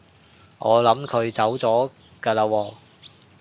我諗佢走咗㗎喇喎